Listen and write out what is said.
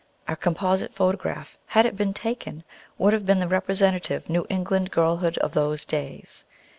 Our composite photograph, had it been taken, would have been the representative New England girlhood of those days.